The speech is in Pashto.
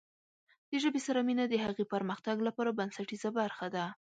د ژبې سره مینه د هغې پرمختګ لپاره بنسټیزه برخه ده.